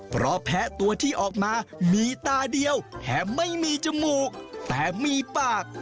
เพราะแพ้ตัวที่ออกมามีตาเดียวแถมไม่มีจมูกแต่มีปาก